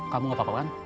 kamu gak apa apa kan